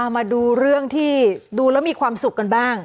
มาดูเรื่องที่ดูแล้วมีความสุขกันบ้าง